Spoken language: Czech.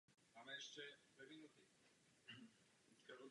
Tato technika se používá také v kinematografii a fotografii.